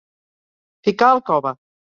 Ficar al cove.